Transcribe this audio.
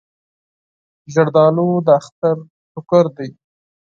زردالو د اختر ټوکر دی.